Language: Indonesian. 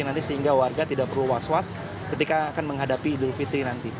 nanti sehingga warga tidak perlu was was ketika akan menghadapi idul fitri nanti